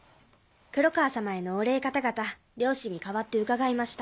黒川様へのお礼かたがた両親に代わって伺いました。